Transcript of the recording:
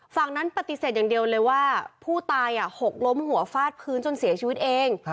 ฝั่งนั้นปฏิเสธอย่างเดียวเลยว่าผู้ตายหกล้มหัวฟาดพื้นจนเสียชีวิตเอง